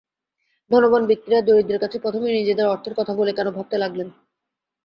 ধনবান ব্যক্তিরা দরিদ্রের কাছে প্রথমেই নিজেদের অর্থের কথা বলে কেন ভাবতে লাগলেন।